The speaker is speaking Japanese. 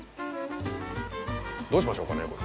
どうしましょうかねこれ。